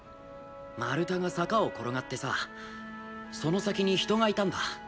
丸太が坂を転がってさその先に人がいたんだ。